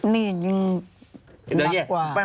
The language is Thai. นี่ยังนักกว่า